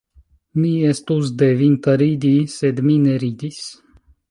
Mi estus devinta ridi, sed mi ne ridis.